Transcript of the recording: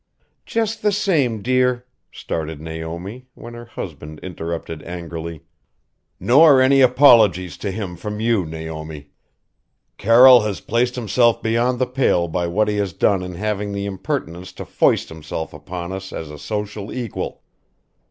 "Just the same, dear " started Naomi, when her husband interrupted angrily "Nor any apologies to him from you, Naomi. Carroll has placed himself beyond the pale by what he has done in having the impertinence to foist himself upon us as a social equal.